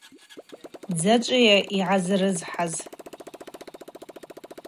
Дзачӏвыйа угӏазрыхӏаз?